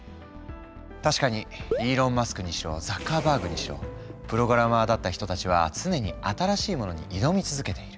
確かにイーロン・マスクにしろザッカーバーグにしろプログラマーだった人たちは常に新しいものに挑み続けている。